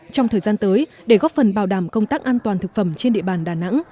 trong thời gian tới để góp phần bảo đảm công tác an toàn thực phẩm trên địa bàn đà nẵng